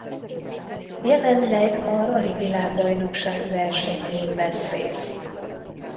Jelenleg a rali-világbajnokság versenyein vesz részt.